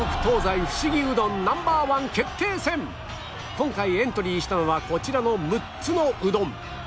今回エントリーしたのはこちらの６つのうどん